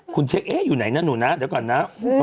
คุณเช็คอยู่ไหนนะหนูนะเดี๋ยวก่อนนะ